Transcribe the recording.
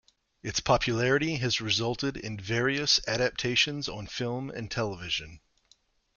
Its popularity has resulted in various adaptations on film and television.